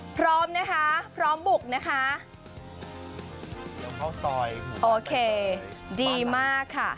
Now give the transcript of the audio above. พร้อมนะคะพร้อมบุบค่ะ